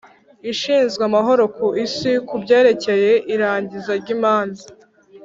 ishinzwe amahoro ku isi ku byerekeye irangiza ry'imanza